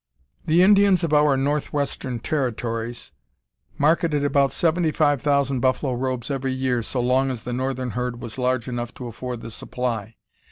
The Indians of our northwestern Territories marketed about seventy five thousand buffalo robes every year so long as the northern herd was large enough to afford the supply.